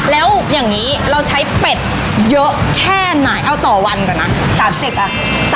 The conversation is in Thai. แล้วอย่างนี้เราใช้เป็ดเยอะแค่ไหนเอาต่อวันก่อนนะ๓๐อ่ะ